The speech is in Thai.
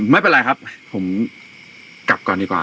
ไม่เป็นไรครับผมกลับก่อนดีกว่า